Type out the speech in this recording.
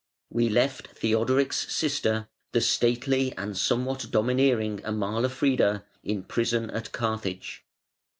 We left Theodoric's sister, the stately and somewhat domineering Amalafrida in prison at Carthage.